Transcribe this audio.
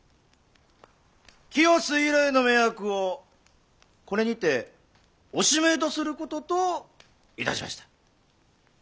清須以来の盟約をこれにておしめえとすることといたしました。